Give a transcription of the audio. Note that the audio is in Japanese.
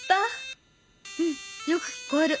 うんよく聞こえる。